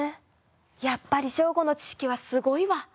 やっぱりショーゴの知識はすごいわ。